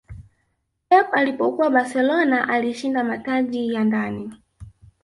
pep alipokuwa barcelona alishinda mataji ya ndani